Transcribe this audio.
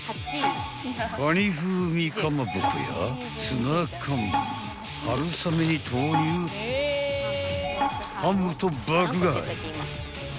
［かに風味かまぼこやツナ缶はるさめに豆乳ハムと爆買い］